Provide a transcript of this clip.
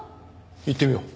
行ってみよう。